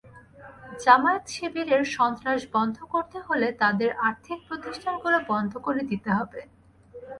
জামায়াত-শিবিরের সন্ত্রাস বন্ধ করতে হলে তাদের আর্থিক প্রতিষ্ঠানগুলো বন্ধ করে দিতে হবে।